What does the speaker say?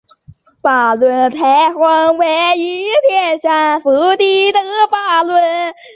巴仑台黄庙位于天山腹地的巴音郭楞蒙古自治州和静县巴仑台镇。